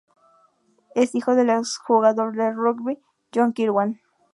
Es hijo del ex jugador de rugby John Kirwan.